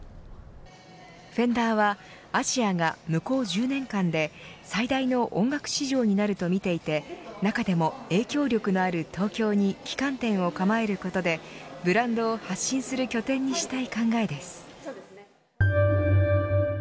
フェンダーはアジアが向こう１０年間で最大の音楽市場になると見ていて中でも影響力のある東京に旗艦店を構えることでブランドを発信する拠点にしたい考えです。